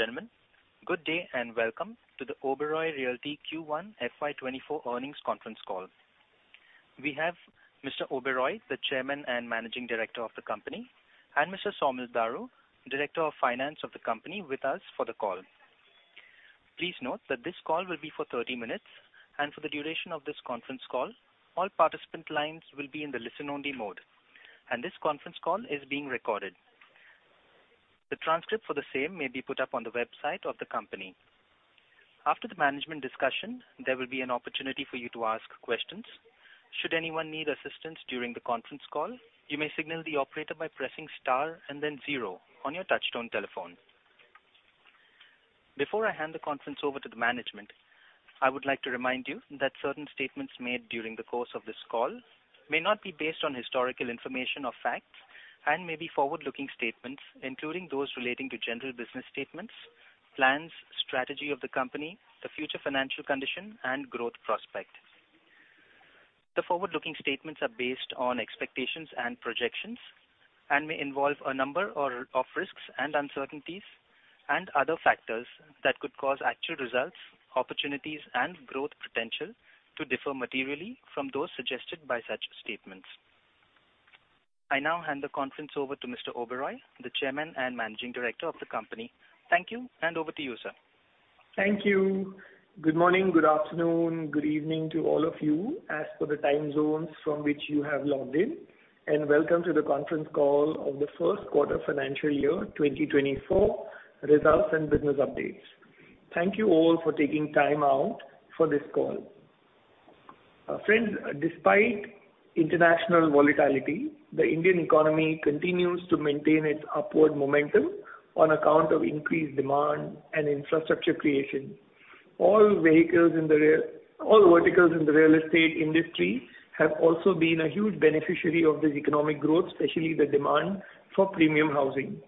Ladies and gentlemen, good day, and welcome to the Oberoi Realty Q1 FY24 earnings conference call. We have Mr. Oberoi, the Chairman and Managing Director of the company, and Mr. Saumil Daru, Director of Finance of the company, with us for the call. Please note that this call will be for 30 minutes, and for the duration of this conference call, all participant lines will be in the listen-only mode, and this conference call is being recorded. The transcript for the same may be put up on the website of the company. After the management discussion, there will be an opportunity for you to ask questions. Should anyone need assistance during the conference call, you may signal the operator by pressing star and then zero on your touchtone telephone. Before I hand the conference over to the management, I would like to remind you that certain statements made during the course of this call may not be based on historical information or facts, and may be forward-looking statements, including those relating to general business statements, plans, strategy of the company, the future financial condition and growth prospect. The forward-looking statements are based on expectations and projections, and may involve a number of risks and uncertainties and other factors that could cause actual results, opportunities, and growth potential to differ materially from those suggested by such statements. I now hand the conference over to Mr. Oberoi, the Chairman and Managing Director of the company. Thank you. Over to you, sir. Thank you. Good morning, good afternoon, good evening to all of you, as per the time zones from which you have logged in, and welcome to the conference call of the Q1 FY24 results and business updates. Thank you all for taking time out for this call. Friends, despite international volatility, the Indian economy continues to maintain its upward momentum on account of increased demand and infrastructure creation. All verticals in the real estate industry have also been a huge beneficiary of this economic growth, especially the demand for premium housing.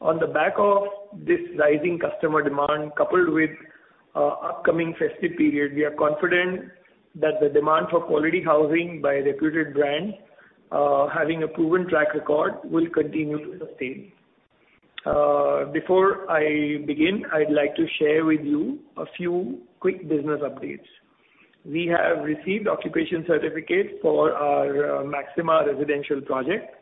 On the back of this rising customer demand, coupled with upcoming festive period, we are confident that the demand for quality housing by reputed brands having a proven track record, will continue to sustain. Before I begin, I'd like to share with you a few quick business updates. We have received occupation certificates for our Maxima Residential Project.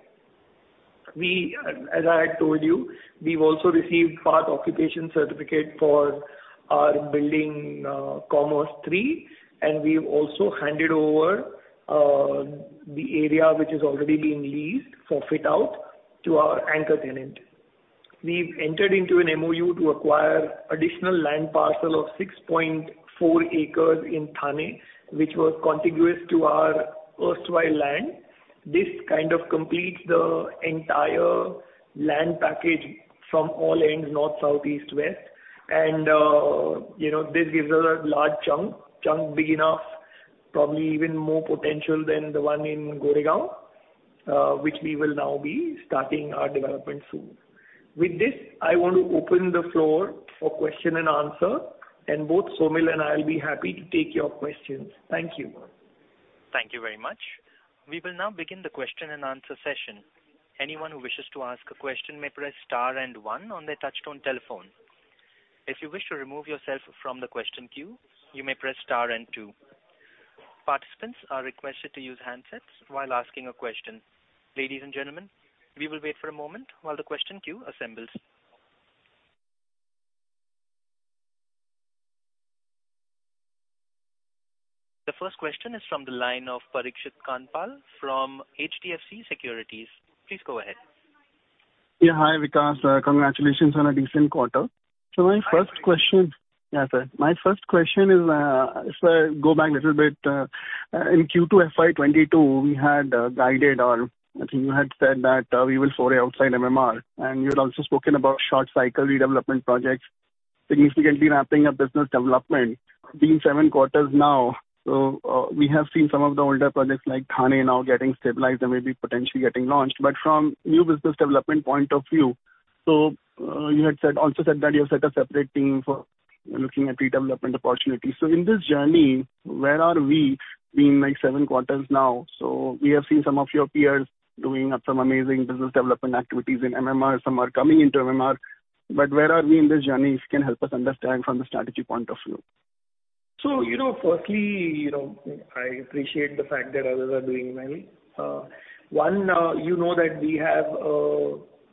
We, as I had told you, we've also received part occupation certificate for our building, Commerz III, and we've also handed over the area which is already being leased for fit-out to our anchor tenant. We've entered into an MOU to acquire additional land parcel of 6.4 acres in Thane, which was contiguous to our erstwhile land. This kind of completes the entire land package from all ends, north, south, east, west. You know, this gives us a large chunk, chunk big enough, probably even more potential than the one in Goregaon, which we will now be starting our development soon. With this, I want to open the floor for question and answer, and both Saumil and I will be happy to take your questions. Thank you. Thank you very much. We will now begin the question and answer session. Anyone who wishes to ask a question may press star one on their touchtone telephone. If you wish to remove yourself from the question queue, you may press star two. Participants are requested to use handsets while asking a question. Ladies and gentlemen, we will wait for a moment while the question queue assembles. The first question is from the line of Parikshit Kandpal from HDFC Securities. Please go ahead. Yeah, hi, Vikas. Congratulations on a decent quarter. My first question- Yeah, sir. My first question is, go back a little bit, in Q2 FY22, we had guided or I think you had said that we will foray outside MMR, and you had also spoken about short cycle redevelopment projects, significantly ramping up business development. Being seven quarters now, we have seen some of the older projects like Thane now getting stabilized and maybe potentially getting launched. From new business development point of view, you had said, also said that you have set a separate team for looking at redevelopment opportunities. In this journey, where are we, being, like, seven quarters now? We have seen some of your peers doing up some amazing business development activities in MMR. Some are coming into MMR, but where are we in this journey? If you can help us understand from the strategy point of view. You know, firstly, you know, I appreciate the fact that others are doing well. One, you know that we have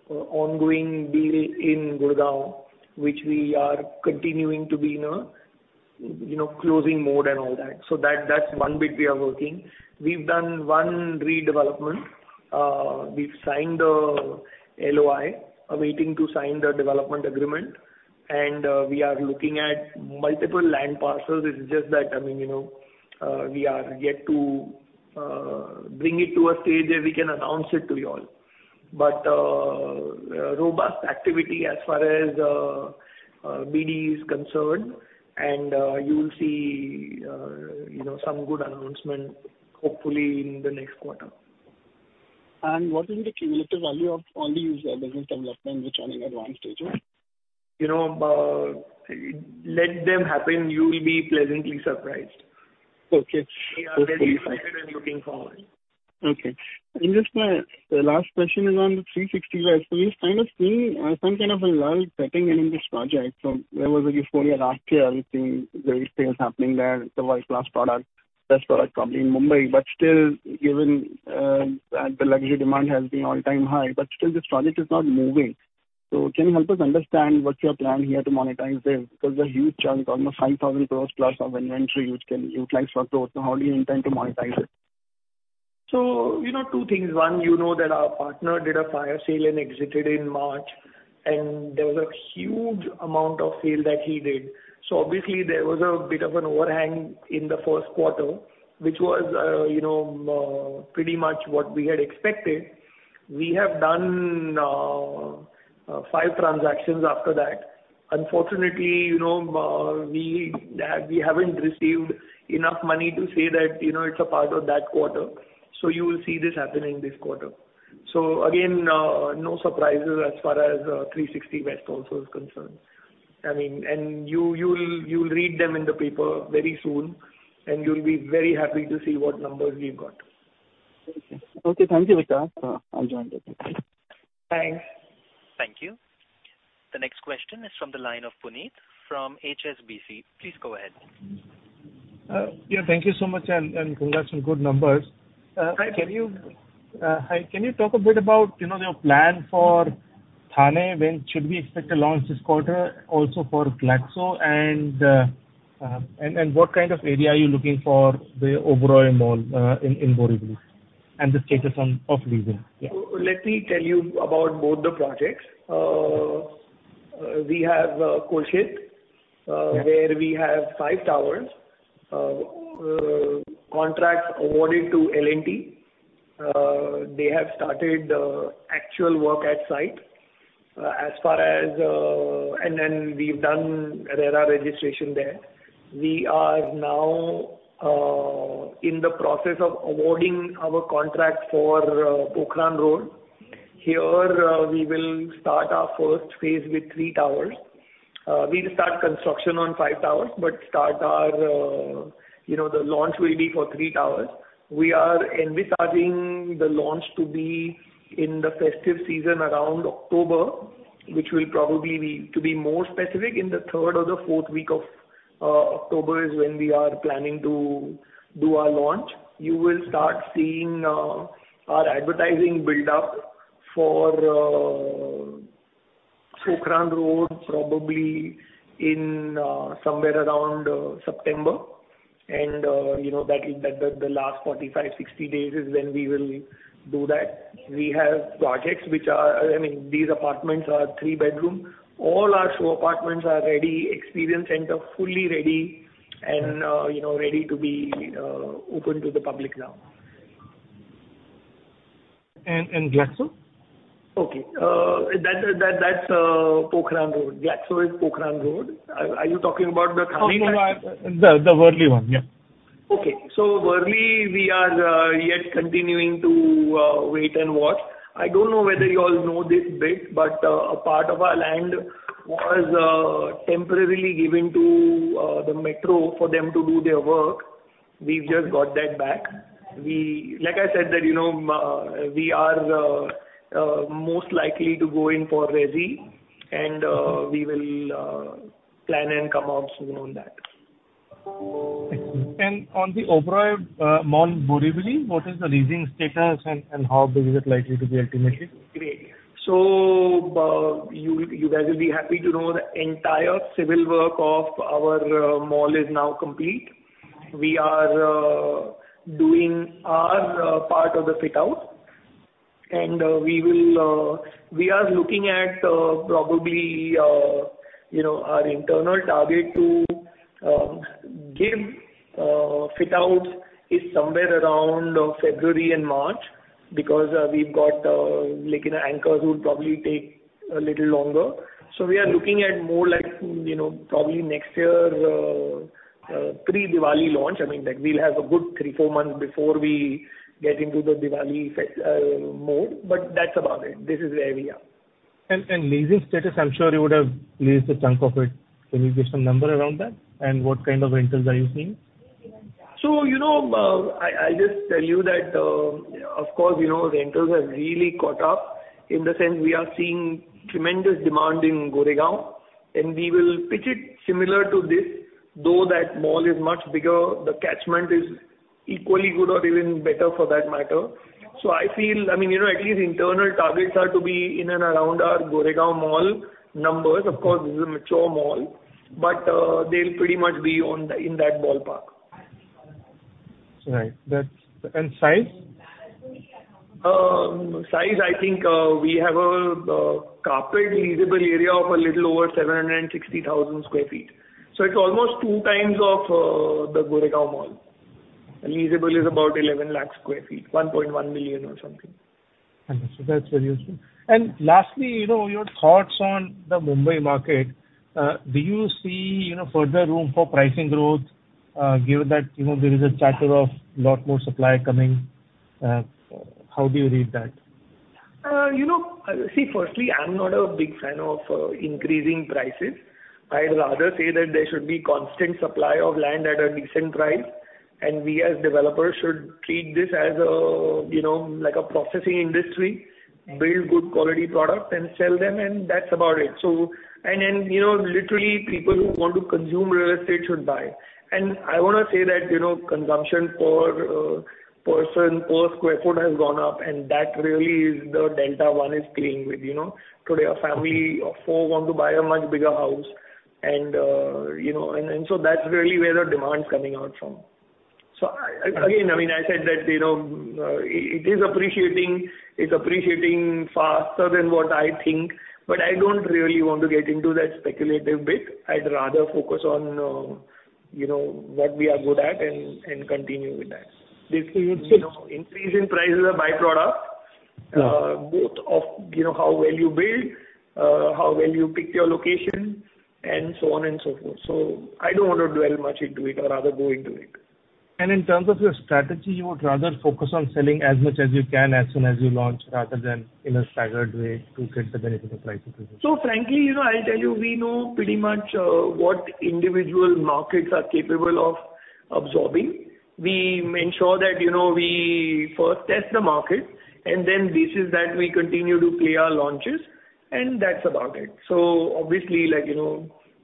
a ongoing deal in Gurgaon, which we are continuing to be in a, you know, closing mode and all that. That, that's one bit we are working. We've done one redevelopment. We've signed the LOI, awaiting to sign the development agreement, and we are looking at multiple land parcels. It's just that, I mean, you know, we are yet to bring it to a stage where we can announce it to you all. Robust activity as far as BD is concerned, and you will see, you know, some good announcement, hopefully, in the next quarter. What is the cumulative value of all these, business developments which are in advanced stage? let them happen, you will be pleasantly surprised. Okay. We are very excited and looking forward. Okay. Just my last question is on the Three Sixty West. We've kind of seen some kind of a lull setting in, in this project. There was a euphoria last year, everything, great things happening there. It's a world-class product, best product probably in Mumbai, but still, given the luxury demand has been all-time high, but still this project is not moving. Can you help us understand what's your plan here to monetize this? Because a huge chunk, almost 5,000 crore plus of inventory, which can utilize for growth. How do you intend to monetize it? You know, two things. One, you know that our partner did a fire sale and exited in March, and there was a huge amount of sale that he did. Obviously, there was a bit of an overhang in the first quarter, which was, you know, pretty much what we had expected. We have done five transactions after that. Unfortunately, you know, we, we haven't received enough money to say that, you know, it's a part of that quarter, so you will see this happen in this quarter. Again, no surprises as far as Three Sixty West also is concerned. I mean, you, you'll, you'll read them in the paper very soon, and you'll be very happy to see what numbers we've got. Okay. Thank you, Vikas. I'll join you. Thanks. Thank you. The next question is from the line of Puneet from HSBC. Please go ahead. Yeah, thank you so much, and congrats on good numbers. Thank you. Hi, can you talk a bit about, you know, your plan for Thane? When should we expect a launch this quarter also for Glaxo? What kind of area are you looking for the Oberoi Mall in Borivali, and the status on, of leasing? Yeah. Let me tell you about both the projects. We have Kolshet, where we have five towers. Contracts awarded to L&T. They have started actual work at site. As far as. Then we've done RERA registration there. We are now in the process of awarding our contract for Pokhran Road. Here, we will start our first phase with three towers. We'll start construction on five towers, but start our, you know, the launch will be for three towers. We are envisaging the launch to be in the festive season around October, which will probably be, to be more specific, in the third or the fourth week of October, is when we are planning to do our launch. You will start seeing our advertising build up for Pokhran Road, probably in somewhere around September. You know, that is, the, the last 45-60 days is when we will do that. We have projects which are, I mean, these apartments are three bedroom. All our show apartments are ready, experience center fully ready and, you know, ready to be open to the public now. Glaxo? Okay. That's Pokhran Road. Glaxo is Pokhran Road. Are you talking about the Thane one? No, no, the Worli one. Yeah. Okay. Worli, we are yet continuing to wait and watch. I don't know whether you all know this bit, but a part of our land was temporarily given to the metro for them to do their work. We've just got that back. Like I said, that, you know, we are most likely to go in for resi, and we will plan and come out soon on that. On the Oberoi Mall, Borivali, what is the leasing status and, and how is it likely to be ultimately? Great. You, you guys will be happy to know the entire civil work of our mall is now complete. We are doing our part of the fit-out, and we will, we are looking at probably, you know, our internal target to give fit-outs is somewhere around February and March, because we've got like an anchors who would probably take a little longer. We are looking at more like, you know, probably next year's pre-Diwali launch. I mean, like, we'll have a good three, four months before we get into the Diwali fes- mode, but that's about it. This is where we are. And leasing status, I'm sure you would have leased a chunk of it. Can you give some number around that? What kind of rentals are you seeing? You know, I, I just tell you that, of course, you know, rentals have really caught up. In the sense, we are seeing tremendous demand in Goregaon, and we will pitch it similar to this, though, that mall is much bigger, the catchment is equally good or even better for that matter. I feel, I mean, you know, at least internal targets are to be in and around our Goregaon Mall numbers. Of course, this is a mature mall, but, they'll pretty much be on the, in that ballpark. Right. That's.. size? Size, I think, we have a carpet leasable area of a little over 760,000 sq ft. It's almost 2x of the Goregaon Mall. Leasable is about 11 lakh sq ft, 1.1 million or something. Understood. That's very useful. Lastly, you know, your thoughts on the Mumbai market, do you see, you know, further room for pricing growth, given that, you know, there is a chatter of lot more supply coming? How do you read that?..., you know, firstly, I'm not a big fan of increasing prices. I'd rather say that there should be constant supply of land at a decent price, and we as developers should treat this as a, you know, like a processing industry. Build good quality product and sell them, and that's about it. You know, literally, people who want to consume real estate should buy. I want to say that, you know, consumption per person per square foot has gone up, and that really is the delta one is playing with, you know. Today, a family of four want to buy a much bigger house, and, you know, so that's really where the demand is coming out from. Again, I mean, I said that, you know, it is appreciating, it's appreciating faster than what I think, but I don't really want to get into that speculative bit. I'd rather focus on, you know, what we are good at and, and continue with that. You know, increase in price is a by-product- Yeah. both of, you know, how well you build, how well you picked your location, and so on and so forth. I don't want to dwell much into it or rather go into it In terms of your strategy, you would rather focus on selling as much as you can as soon as you launch, rather than in a staggered way to get the benefit of price increase? Frankly, you know, I'll tell you, we know pretty much what individual markets are capable of absorbing. We ensure that, you know, we first test the market, and then based on that, we continue to play our launches, and that's about it. Obviously, like, you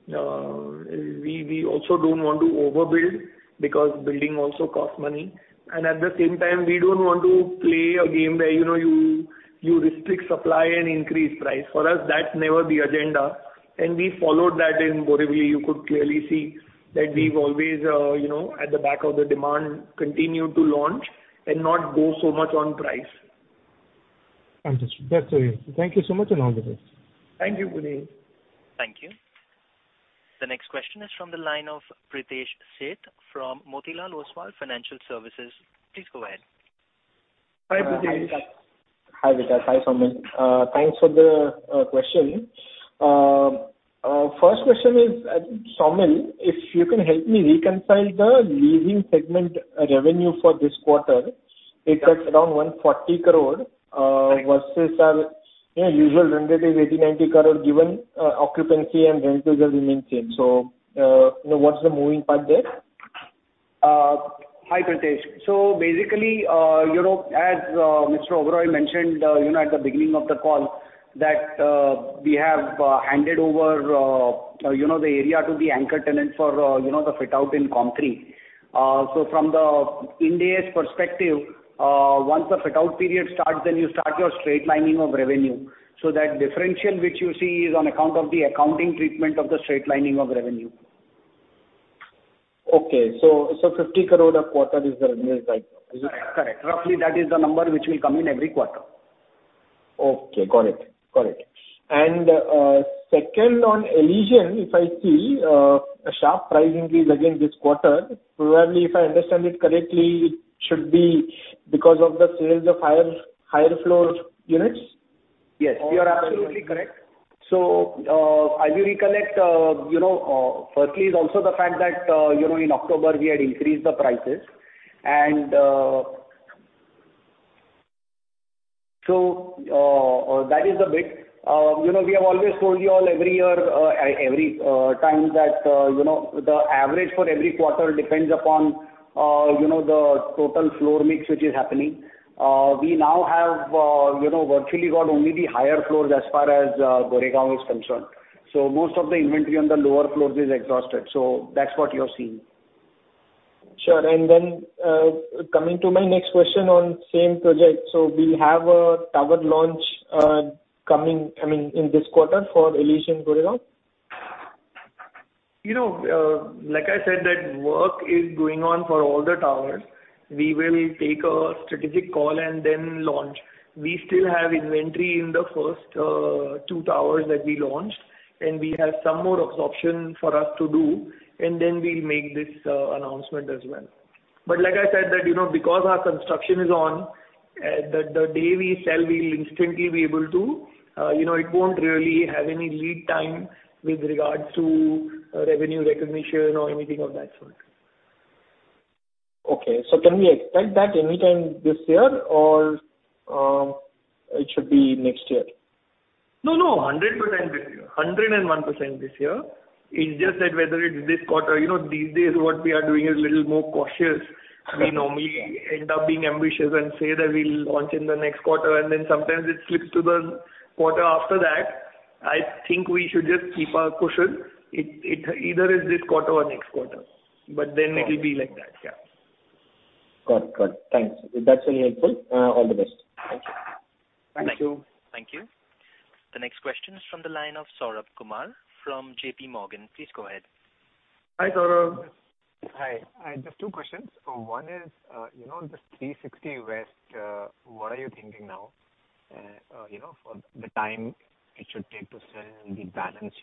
know, we, we also don't want to overbuild, because building also costs money. At the same time, we don't want to play a game where, you know, you, you restrict supply and increase price. For us, that's never the agenda, and we followed that in Borivali. You could clearly see that we've always, you know, at the back of the demand, continued to launch and not go so much on price. Understood. That's all right. Thank you so much, and all the best. Thank you, Puneet. Thank you. The next question is from the line of Pritesh Sheth from Motilal Oswal Financial Services. Please go ahead. Hi, Pritesh. Hi, Vikas. Hi, Saumil. Thanks for the question. First question is, Saumil, if you can help me reconcile the leasing segment revenue for this quarter, it's at around 140 crore, versus our, you know, usual run rate is 80 crore-90 crore, given occupancy and rentals will remain same. You know, what's the moving part there? Hi, Pritesh. Basically, you know, as Mr. Oberoi mentioned, you know, at the beginning of the call, that we have handed over, you know, the area to the anchor tenant for, you know, the fit-out in Comp III. From the Ind AS perspective, once the fit-out period starts, then you start your straight-lining of revenue. That differential which you see is on account of the accounting treatment of the straight-lining of revenue. Okay, so, so 50 crore a quarter is the revenue, right? Correct. Roughly, that is the number which will come in every quarter. Okay, got it. Got it. Second on Elysian, if I see, a sharp price increase again this quarter, probably, if I understand it correctly, it should be because of the sales of higher, higher floor units? Yes, you are absolutely correct. As you recollect, you know, firstly, is also the fact that, you know, in October, we had increased the prices. That is the bit. You know, we have always told you all every year, every time that, you know, the average for every quarter depends upon, you know, the total floor mix which is happening. We now have, you know, virtually got only the higher floors as far as Goregaon is concerned. Most of the inventory on the lower floors is exhausted. That's what you're seeing. Sure. Coming to my next question on same project. We have a tower launch, coming, I mean, in this quarter for Elysian, Goregaon? You know, like I said, that work is going on for all the towers. We will take a strategic call and then launch. We still have inventory in the first, two towers that we launched, and we have some more absorption for us to do, and then we'll make this, announcement as well. Like I said, that, you know, because our construction is on, the, the day we sell, we'll instantly be able to, you know, it won't really have any lead time with regards to revenue recognition or anything of that sort. Okay, can we expect that anytime this year, or, it should be next year? No, no, 100% this year. 101% this year. It's just that whether it's this quarter, You know, these days, what we are doing is a little more cautious. We normally end up being ambitious and say that we'll launch in the next quarter, and then sometimes it slips to the quarter after that. I think we should just keep our caution. It, it either is this quarter or next quarter, but then it will be like that. Yeah. Got it, got it. Thanks. That's really helpful. All the best. Thank you. Thank you. The next question is from the line of Saurabh Kumar from JPMorgan. Please go ahead. Hi, Saurabh. Hi. I have two questions. One is, you know, this Three Sixty West, what are you thinking now, you know, for the time it should take to sell the balance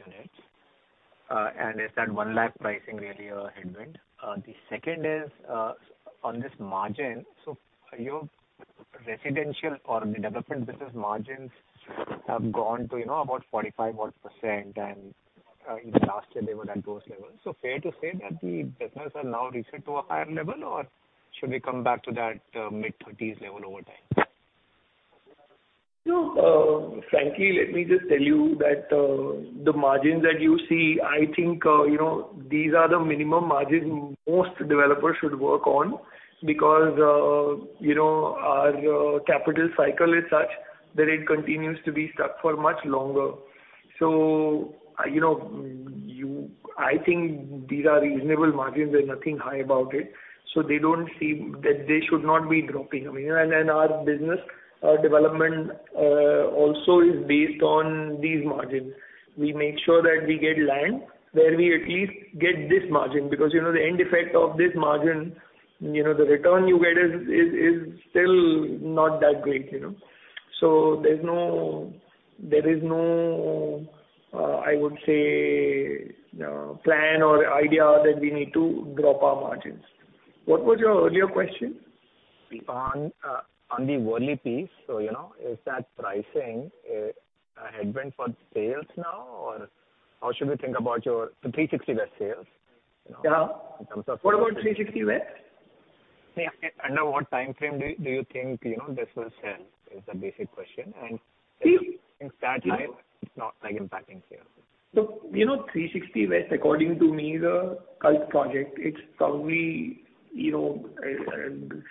units? Is that 1 lakh pricing really a headwind? The second is, on this margin. Your residential or the development business margins have gone to, you know, about 45% in the last year they were at those levels. Fair to say that the business has now reached to a higher level, or should we come back to that mid-30s level over time? Frankly, let me just tell you that, the margins that you see, I think, you know, these are the minimum margins most developers should work on. Because, you know, our capital cycle is such that it continues to be stuck for much longer. You know, I think these are reasonable margins, there's nothing high about it. They don't seem, that they should not be dropping. I mean, and our business development also is based on these margins. We make sure that we get land, where we at least get this margin, because, you know, the end effect of this margin, you know, the return you get is, is, is still not that great, you know? There's no, there is no, I would say, plan or idea that we need to drop our margins. What was your earlier question? On, on the Worli piece, so, you know, is that pricing, a headwind for sales now, or how should we think about your, the Three Sixty West sales? You know. Yeah. What about Three Sixty West? Yeah, under what time frame do you think, you know, this will sell, is the basic question. See- In that time, it's not like impacting sales. You know, Three Sixty West, according to me, is a cult project. It's probably, you know, I'm,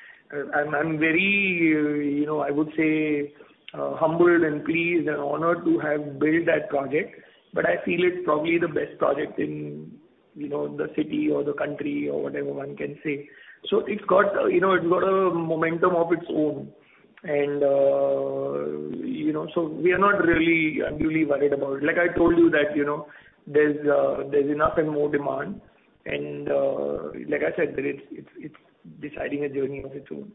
I'm very, you know, I would say, humbled and pleased and honored to have built that project, but I feel it's probably the best project in, you know, the city or the country or whatever one can say. It's got, you know, it's got a momentum of its own. You know, so we are not really unduly worried about it. Like I told you that, you know, there's, there's enough and more demand, and, like I said, that it's, it's, it's deciding a journey of its own.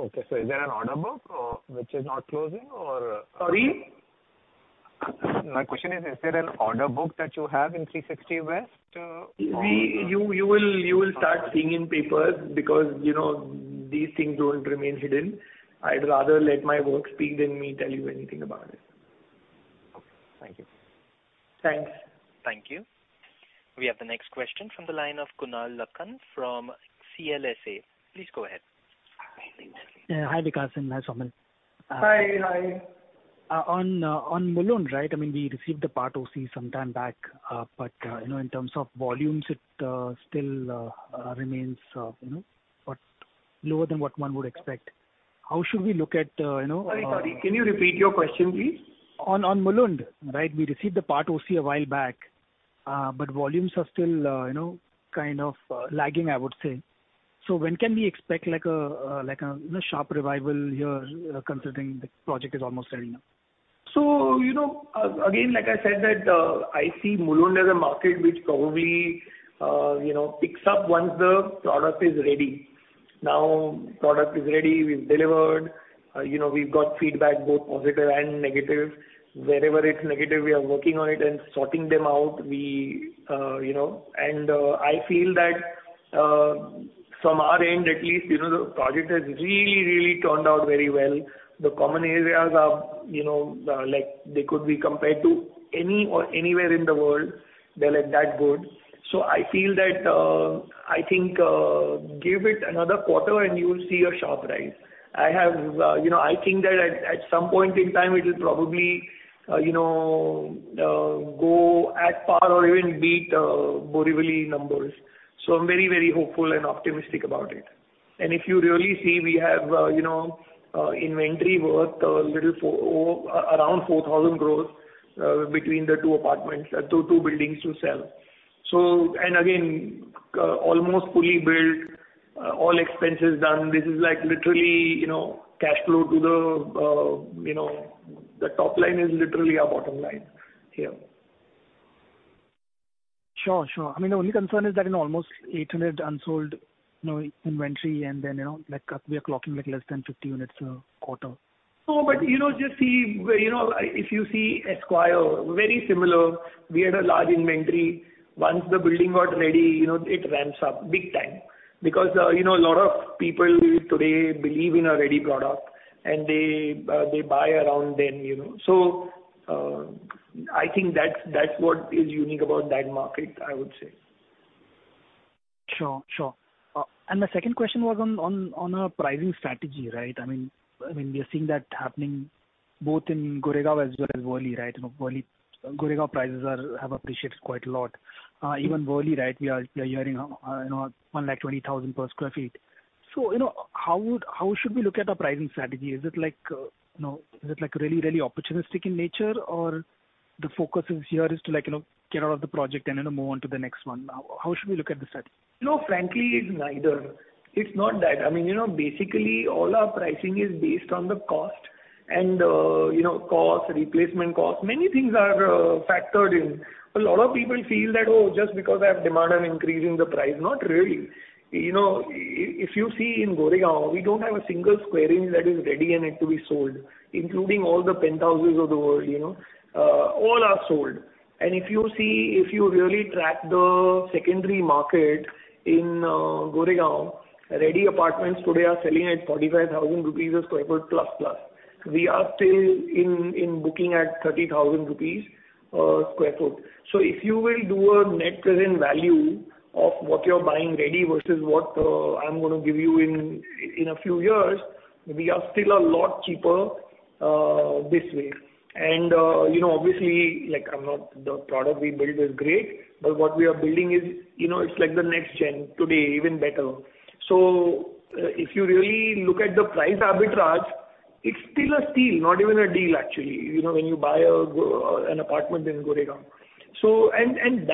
Okay. Is there an order book which is not closing or... Sorry? My question is, is there an order book that you have in Three Sixty West, or-? You, you will, you will start seeing in papers because, you know, these things don't remain hidden. I'd rather let my work speak than me tell you anything about it. Okay. Thank you. Thanks. Thank you. We have the next question from the line of Kunal Lakhan from CLSA. Please go ahead. Yeah. Hi, Vikas, and hi, Saumil. Hi, hi. On Mulund, right, I mean, we received the part OC sometime back, but, you know, in terms of volumes, it still remains, you know, but lower than what one would expect. How should we look at, you know? Sorry, sorry. Can you repeat your question, please? On, on Mulund, right, we received the Part OC a while back, but volumes are still, you know, kind of lagging, I would say. When can we expect like a, like a, you know, sharp revival here, considering the project is almost ready now? You know, again, like I said, that I see Mulund as a market which probably, you know, picks up once the product is ready. Now, product is ready, we've delivered, you know, we've got feedback, both positive and negative. Wherever it's negative, we are working on it and sorting them out. We, you know, and I feel that from our end at least, you know, the project has really, really turned out very well. The common areas are, you know, like, they could be compared to any or anywhere in the world. They're like that good. I feel that I think, give it another quarter and you will see a sharp rise. I have, you know, I think that at, at some point in time, it'll probably, you know, go at par or even beat Borivali numbers. I'm very, very hopeful and optimistic about it. If you really see, we have, you know, inventory worth a little four, around 4,000 crore between the two apartments, two buildings to sell. Again, almost fully built, all expenses done. This is like literally, you know, cash flow to the, you know, the top line is literally our bottom line here. Sure, sure. I mean, the only concern is that in almost 800 unsold, you know, inventory, and then, you know, like, we are clocking like less than 50 units a quarter. You know, just see, you know, if you see Esquire, very similar, we had a large inventory. Once the building got ready, you know, it ramps up big time. You know, a lot of people today believe in a ready product, and they, they buy around then, you know. I think that's, that's what is unique about that market, I would say. Sure, sure. The second question was on a pricing strategy, right? I mean, we are seeing that happening both in Goregaon as well as Worli, right? You know, Worli, Goregaon prices are, have appreciated quite a lot. Even Worli, right, we are hearing, you know, 120,000 per square feet. You know, how should we look at the pricing strategy? Is it like, you know, is it like really, really opportunistic in nature, or the focus is here is to like, you know, get out of the project and then move on to the next one? How should we look at the strategy? No, frankly, it's neither. It's not that. I mean, you know, basically, all our pricing is based on the cost and, you know, cost, replacement cost. Many things are factored in. A lot of people feel that, oh, just because I have demand, I'm increasing the price. Not really. You know, if you see in Goregaon, we don't have a single square inch that is ready and it to be sold, including all the penthouses of the world, you know? All are sold. If you see, if you really track the secondary market in Goregaon-...Ready apartments today are selling at 45,000 rupees a sq ft plus, plus. We are still in, in booking at 30,000 rupees sq ft. If you will do a Net Present Value of what you're buying ready versus what, I'm gonna give you in, in a few years, we are still a lot cheaper, this way. You know, obviously, like, I'm not-- the product we build is great, but what we are building is, you know, it's like the next gen today, even better. If you really look at the price arbitrage, it's still a steal, not even a deal, actually, you know, when you buy an apartment in Goregaon.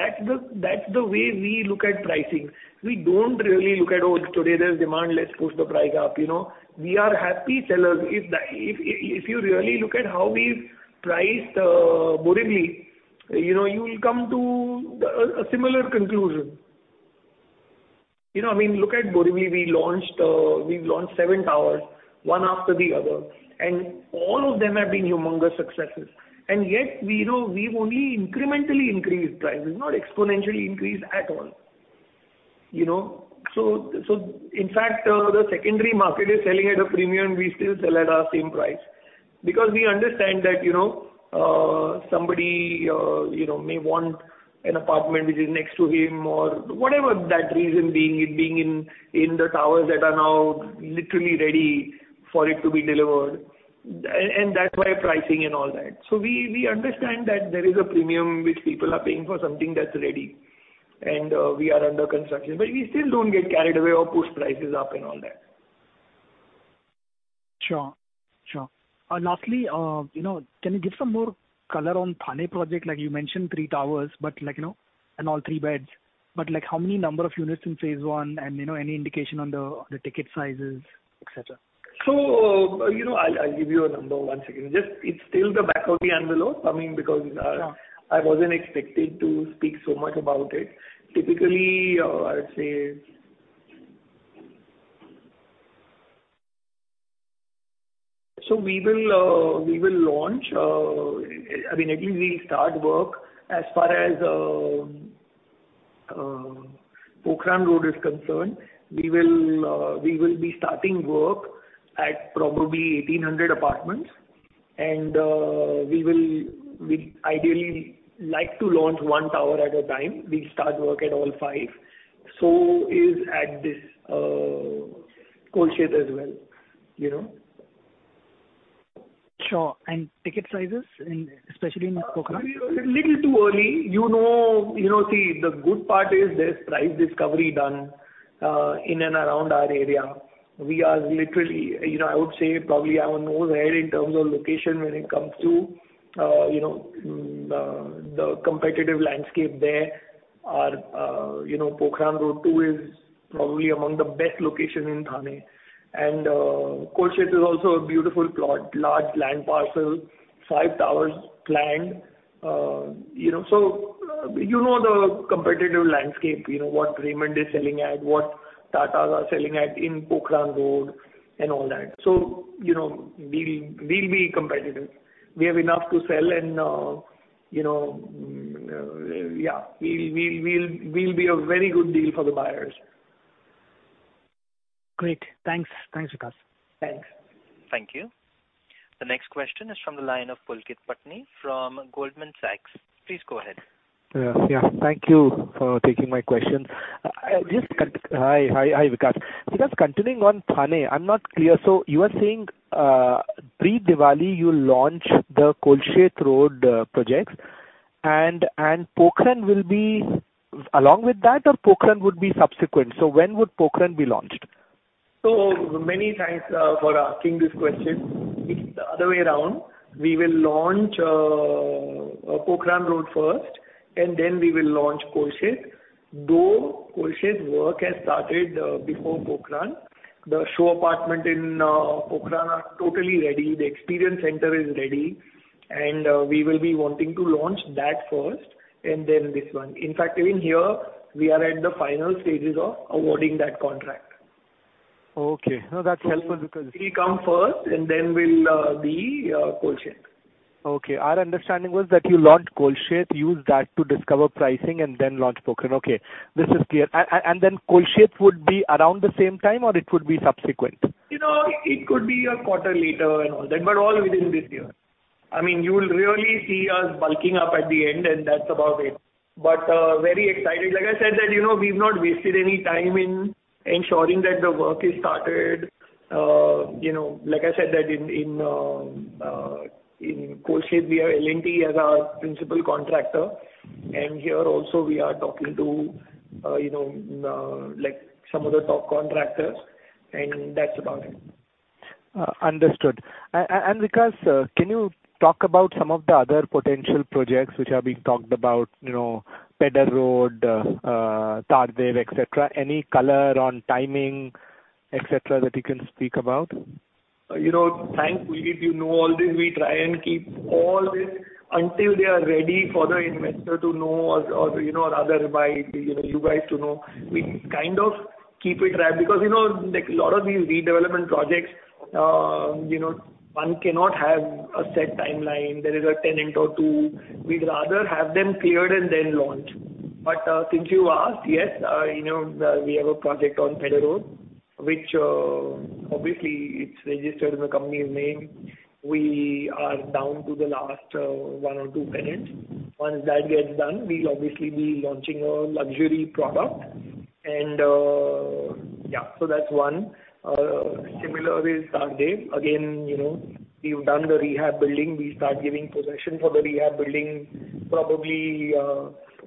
That's the way we look at pricing. We don't really look at, oh, today there's demand, let's push the price up, you know? We are happy sellers. If you really look at how we've priced, Borivali, you know, you will come to a similar conclusion. You know, I mean, look at Borivali. We launched, we've launched seven towers, one after the other, and all of them have been humongous successes. Yet, we know we've only incrementally increased prices, not exponentially increased at all, you know? In fact, the secondary market is selling at a premium, we still sell at our same price. We understand that, you know, somebody, you know, may want an apartment which is next to him or whatever that reason being, it being in, in the towers that are now literally ready for it to be delivered, and that's why pricing and all that. We, we understand that there is a premium which people are paying for something that's ready, and we are under construction. We still don't get carried away or push prices up and all that. Sure. Sure. Lastly, you know, can you give some more color on Thane project? Like, you mentioned three towers, but like, you know, and all three beds, but, like, how many number of units in phase one, and, you know, any indication on the, the ticket sizes, et cetera? You know, I'll, I'll give you a number once again. Just it's still the back of the envelope, I mean, because. Sure. I wasn't expected to speak so much about it. Typically, I'd say. We will, we will launch, I mean, at least we'll start work. As far as Pokhran Road is concerned, we will be starting work at probably 1,800 apartments, and we ideally like to launch one tower at a time. We start work at all five, so is at Kolshet as well, you know? Sure. Ticket sizes, in, especially in Pokhran? Little too early. You know, you know, see, the good part is there's price discovery done in and around our area. We are literally, you know, I would say probably our nose ahead in terms of location when it comes to, you know, the competitive landscape there. Our, you know, Pokhran Road two is probably among the best location in Thane. Kolshet is also a beautiful plot, large land parcel, five towers planned. You know, you know the competitive landscape, you know, what Raymond is selling at, what Tatas are selling at in Pokhran Road and all that. You know, we'll, we'll be competitive. We have enough to sell and, you know, yeah, we, we'll, we'll be a very good deal for the buyers. Great. Thanks. Thanks, Vikas. Thanks. Thank you. The next question is from the line of Pulkit Patni from Goldman Sachs. Please go ahead. Yeah, thank you for taking my question. Hi, hi, hi, Vikas. Vikas, continuing on Thane, I'm not clear. You are saying, pre-Diwali, you'll launch the Kolshet Road projects, and Pokhran will be along with that, or Pokhran would be subsequent? When would Pokhran be launched? Many thanks for asking this question. It's the other way around. We will launch Pokhran Road first, and then we will launch Kolshet. Though Kolshet work has started before Pokhran, the show apartment in Pokhran are totally ready, the experience center is ready, and we will be wanting to launch that first, and then this one. In fact, even here, we are at the final stages of awarding that contract. Okay. No, that's helpful because. He come first, and then will be Kolshet. Okay. Our understanding was that you launched Kolshet, used that to discover pricing, and then launch Pokhran. Okay, this is clear. Then Kolshet would be around the same time, or it would be subsequent? You know, it could be a quarter later and all that, but all within this year. I mean, you will really see us bulking up at the end, and that's about it. Very excited. Like I said, that, you know, we've not wasted any time in ensuring that the work is started. You know, like I said, that in, in Kolshet, we have L&T as our principal contractor, and here also we are talking to, you know, like some of the top contractors, and that's about it. Understood. Vikas, can you talk about some of the other potential projects which are being talked about, you know, Pedder Road, Tardeo, et cetera? Any color on timing, et cetera, that you can speak about? You know, thankfully, you know all this, we try and keep all this until they are ready for the investor to know or, or, you know, rather by, you know, you guys to know. We kind of keep it wrapped because, you know, like, a lot of these redevelopment projects, you know, one cannot have a set timeline. There is a tenant or two. We'd rather have them cleared and then launch. Since you asked, yes, you know, we have a project on Pedder Road, which obviously it's registered in the company's name. We are down to the last one or two tenants. Once that gets done, we'll obviously be launching a luxury product. Yeah, so that's one. Similar is Tardeo. Again, you know, we've done the rehab building. We start giving possession for the rehab building probably,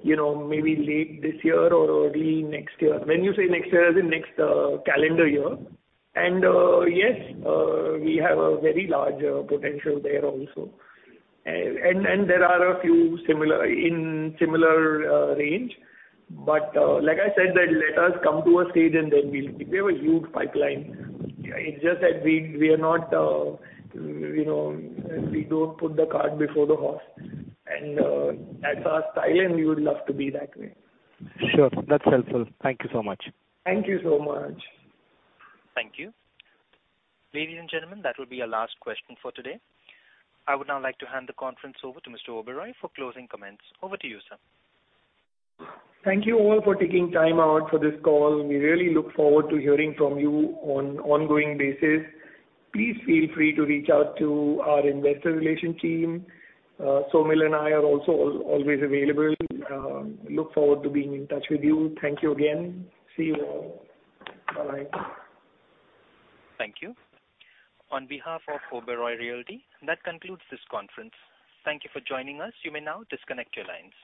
you know, maybe late this year or early next year. When you say next year, as in next calendar year. Yes, we have a very large potential there also. There are a few similar, in similar range. Like I said, that let us come to a stage, and then we'll. We have a huge pipeline. It's just that we, we are not, you know, we don't put the cart before the horse, and that's our style, and we would love to be that way. Sure, that's helpful. Thank you so much. Thank you so much. Thank you. Ladies and gentlemen, that will be our last question for today. I would now like to hand the conference over to Mr. Oberoi for closing comments. Over to you, sir. Thank you all for taking time out for this call. We really look forward to hearing from you on ongoing basis. Please feel free to reach out to our investor relation team. Saumil and I are also always available. Look forward to being in touch with you. Thank you again. See you all. Bye-bye. Thank you. On behalf of Oberoi Realty, that concludes this conference. Thank you for joining us. You may now disconnect your lines.